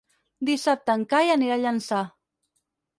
Dissabte en Cai anirà a Llançà.